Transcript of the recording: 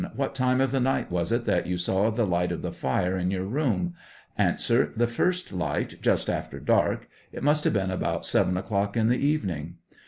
What time of the night was it that you saw the light of the fire in your room ? A. The first light just after dark ; it must have been about 7 o'clock in the evening.